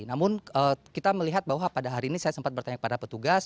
namun kita melihat bahwa pada hari ini saya sempat bertanya kepada petugas